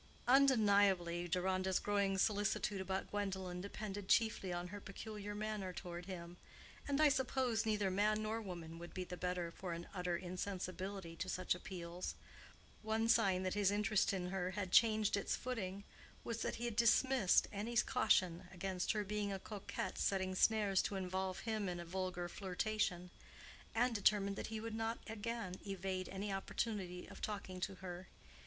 Undeniably Deronda's growing solicitude about Gwendolen depended chiefly on her peculiar manner toward him; and I suppose neither man nor woman would be the better for an utter insensibility to such appeals. One sign that his interest in her had changed its footing was that he dismissed any caution against her being a coquette setting snares to involve him in a vulgar flirtation, and determined that he would not again evade any opportunity of talking to her.